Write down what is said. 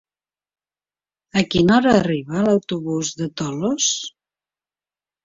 A quina hora arriba l'autobús de Tollos?